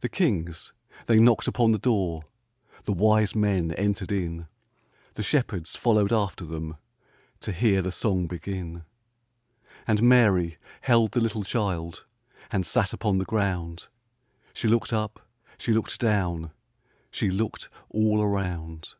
The kings they knocked upon the door, The wise men entered in, The shepherds followed after them To hear the song begin. And Mary held the little child And sat upon the ground; She looked up, she looked down, She looked all around.